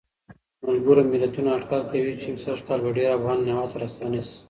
م.م اټکل کوي چې سږ کال به ډېر افغانان هېواد ته راستانه شي.